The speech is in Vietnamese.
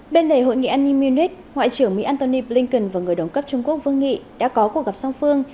bên đề hội nghị an ninh munich ngoại trưởng mỹ antony blinken và người đồng cấp trung quốc vương nghị đã có cuộc gặp song phương